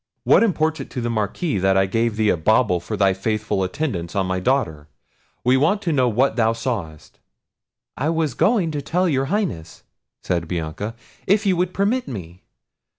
what imports it to the Marquis, that I gave thee a bauble for thy faithful attendance on my daughter? we want to know what thou sawest." "I was going to tell your Highness," said Bianca, "if you would permit me.